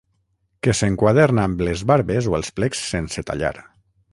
Que s'enquaderna amb les barbes o els plecs sense tallar.